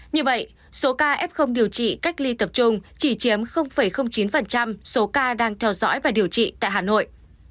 như vậy số ca f điều trị cách ly tập trung chỉ chiếm chín số ca đang theo dõi và điều trị tại hà nội